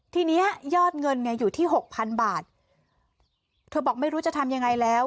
เนี้ยยอดเงินเนี่ยอยู่ที่หกพันบาทเธอบอกไม่รู้จะทำยังไงแล้ว